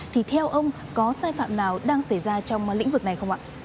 thì theo ông có sai phạm nào đang xảy ra trong lĩnh vực này không ạ